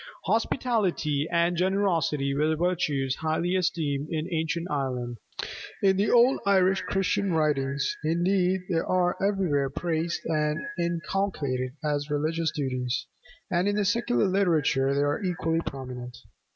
Hospitality and generosity were virtues highly esteemed in ancient Ireland; in the old Irish Christian writings indeed they are everywhere praised and inculcated as religious duties; and in the secular literature they are equally prominent.